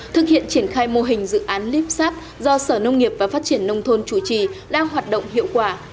thực hiện triển khai mô hình dự án lipsap do sở nông nghiệp và phát triển nông thôn chủ trì đang hoạt động hiệu quả